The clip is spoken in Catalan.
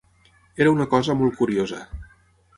Era una cosa molt curiosa